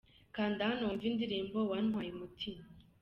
Kanda hano wumve indirimbo wantwaye umutima.